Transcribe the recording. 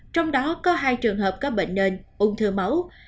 trong đó có hai trường hợp có bệnh nền ung thư máu